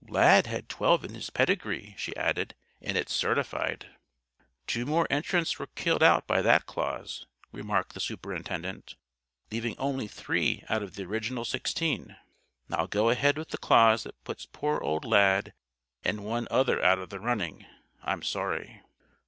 _' Lad had twelve in his pedigree," she added, "and it's certified." "Two more entrants were killed out by that clause," remarked the Superintendent, "leaving only three out of the original sixteen. Now go ahead with the clause that puts poor old Lad and one other out of the running. I'm sorry."